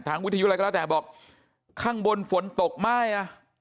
ถามวิธีเยอะอะไรก็แล้วแต่บอกข้างบนฝนตกม่ายนะคะ